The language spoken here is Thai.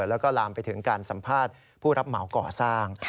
แล้วก็ลามไปถึงการสัมภาษณ์ผู้รับเหมาก่อสร้าง